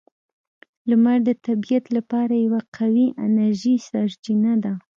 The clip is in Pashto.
• لمر د طبیعت لپاره یوه قوی انرژي سرچینه ده.